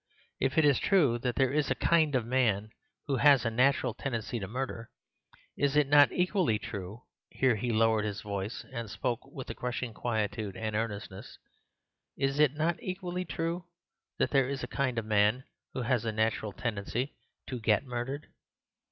If it is true that there is a kind of man who has a natural tendency to murder, is it not equally true"—here he lowered his voice and spoke with a crushing quietude and earnestness—"is it not equally true that there is a kind of man who has a natural tendency to get murdered?